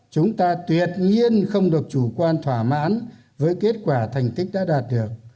chúng ta tuyệt nhiên không được chủ quan thỏa mãn với kết quả thành tích đã đạt được